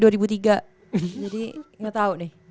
aku bayi dua ribu tiga jadi gak tau nih